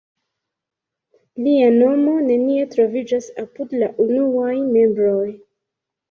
Lia nomo nenie troviĝas apud la unuaj membroj.